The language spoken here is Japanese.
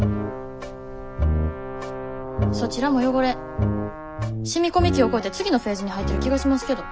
そちらも汚れ染み込み期を越えて次のフェーズに入ってる気がしますけど。